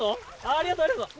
ありがとう、ありがとう。